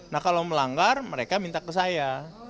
nah kalau melanggar mereka minta ke saya